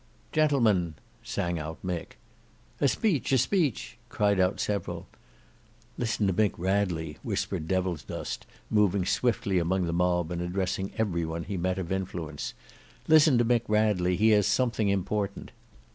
"Gentlemen!" sang out Mick. "A speech, a speech!" cried out several. "Listen to Mick Radley," whispered Devilsdust moving swiftly among the mob and addressing every one he met of influence. "Listen to Mick Radley, he has something important."